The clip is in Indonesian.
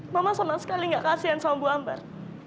mama sama sekali nggak kasian sama bu ambar